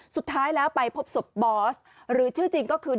สุดท้ายแล้วไปพบศพบอสหรือชื่อจริงก็คือ